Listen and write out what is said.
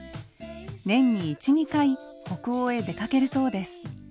年に１２回北欧へ出かけるそうです。